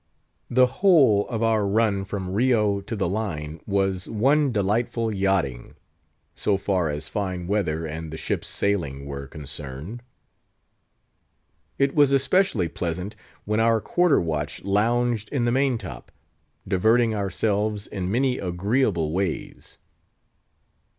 The whole of our run from Rio to the Line was one delightful yachting, so far as fine weather and the ship's sailing were concerned. It was especially pleasant when our quarter watch lounged in the main top, diverting ourselves in many agreeable ways.